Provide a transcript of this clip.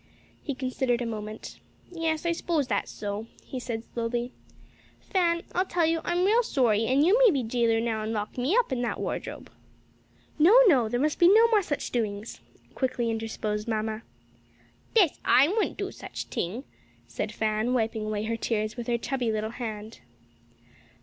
He considered a moment. "Yes, I s'pose that's so," he said slowly, "Fan, I'll tell you; I'm real sorry; and you may be jailor now and lock me up in that wardrobe." "No, no! there must be no more such doings," quickly interposed mamma. "Dess I wouldn't do such sing!" said Fan, wiping away her tears with her chubby little hand.